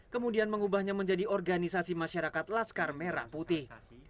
kemudian mengubahnya menjadi organisasi masyarakat laskar merah putih